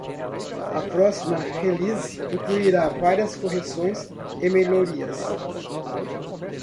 A próxima release incluirá várias correções e melhorias.